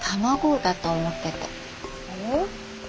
えっ？